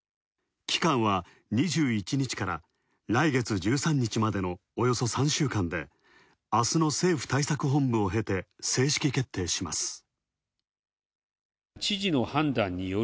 期間は２１日から来月１３日までのおよそ３週間で明日の政府対策本部を経て正式決定します。